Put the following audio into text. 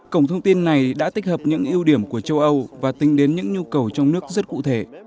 cổng thông tin này đã tích hợp những ưu điểm của châu âu và tính đến những nhu cầu trong nước rất cụ thể